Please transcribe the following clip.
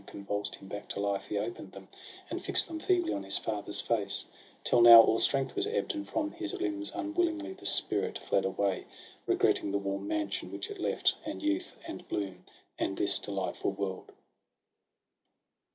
Convulsed him back to life, he open'd them, And fix'd them feebly on his father's face; Till now all strength was ebb'd, and from his limbs Unwillingly the spirit fled away. Regretting the warm mansion which it left. And youth, and bloom, and this delightful vv^orld.